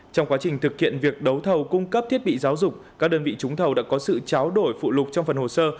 trong quá trình thực hiện việc đấu thầu cung cấp thiết bị giáo dục các đơn vị trúng thầu đã có sự cháo đổi phụ lục trong phần hồ sơ